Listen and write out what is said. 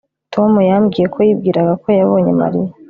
Tom yambwiye ko yibwiraga ko yabonye Mariya